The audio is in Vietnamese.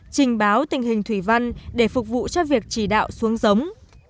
trình báo tình hình thủy văn để phục vụ cho việc chỉ đạo xuống giống